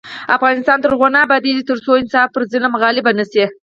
افغانستان تر هغو نه ابادیږي، ترڅو انصاف پر ظلم غالب نشي.